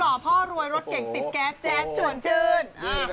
พ่อรวยรถเก่งติดแก๊สแจ๊ดชวนชื่น